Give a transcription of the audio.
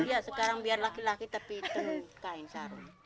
iya sekarang biar laki laki tapi itu kain sarung